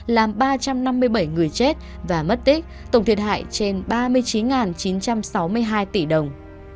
làm ba trăm năm mươi bảy người chết và mất tích tổng thiệt hại trên ba mươi chín chín trăm sáu mươi hai tỷ đồng